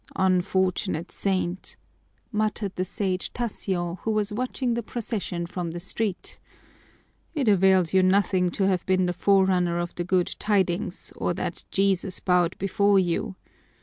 "Unfortunate saint!" muttered the Sage Tasio, who was watching the procession from the street, "it avails you nothing to have been the forerunner of the Good Tidings or that Jesus bowed before you!